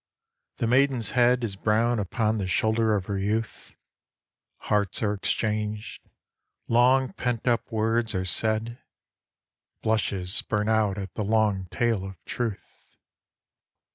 The maiden's head Is brown upon the shoulder of her youth, Hearts are exchanged, long pent up words are said, Blushes burn out at the long tale of truth.